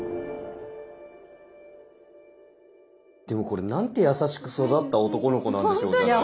でもこれなんて優しく育った男の子なんでしょうね。